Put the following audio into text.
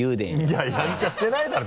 いややんちゃしてないだろ！